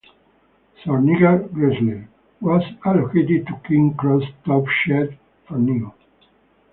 "Sir Nigel Gresley" was allocated to Kings Cross Top Shed from new.